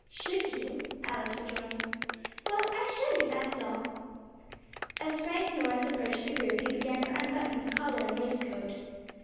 "Should you?" Alice rejoined. "Well I shouldn't, that's all." As Frank Norris approached the group he began to unbutton his collar and waistcoat.